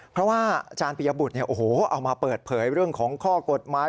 เพราะว่าอาจารย์ปียบุตรเอามาเปิดเผยเรื่องของข้อกฎหมาย